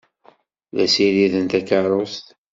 La ssiriden takeṛṛust.